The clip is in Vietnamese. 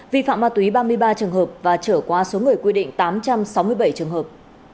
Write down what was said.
vi phạm ma túy ba mươi ba trường hợp và trở qua số người quy định tám trăm sáu mươi bảy trường hợp